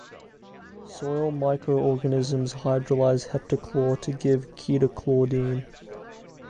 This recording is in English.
Soil microorganisms hydrolyze heptachlor to give ketochlordene.